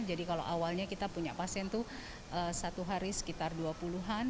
jadi kalau awalnya kita punya pasien itu satu hari sekitar dua puluh an